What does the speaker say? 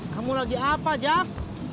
kamu lagi apa jack